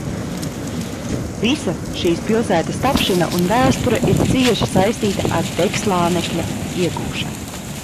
Visa šīs pilsētas tapšana un vēsture ir cieši saistīta ar degslānekļa iegūšanu.